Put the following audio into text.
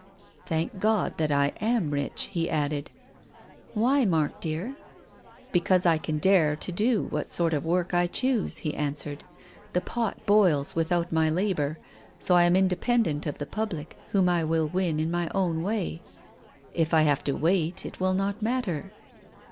" Thank God that I am rich," he added. "Why, Mark dear?" " Because I can dare to do what sort of work I choose," he answered. " The pot boils without my labour. So I am independent of the public, whom I will win in my own way. If I have to wait it will not matter."